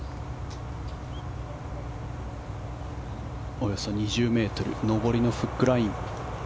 およそ２０ｍ上りのフックライン。